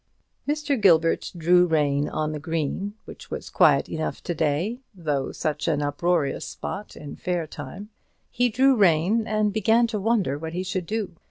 Mr. Gilbert drew rein on the green, which was quiet enough to day, though such an uproarious spot in fair time; he drew rein, and began to wonder what he should do.